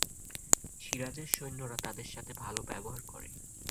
সিরাজের সৈন্যরা তাদের সাথে ভাল ব্যবহার করে।